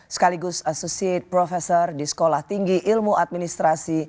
sekaligus associate profesor di sekolah tinggi ilmu administrasi